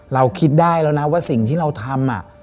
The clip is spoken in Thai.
เราคิดได้แล้วนะว่าสิ่งที่เราทำ